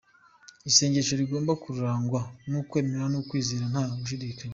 Isengesho rigomba kurangwa n'ukwemera n'ukwizera nta gushidikanya.